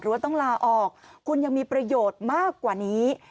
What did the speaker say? ว่าต้องลาออกคุณยังมีประโยชน์มากกว่านี้